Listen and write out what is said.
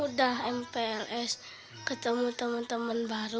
udah mpls ketemu teman teman baru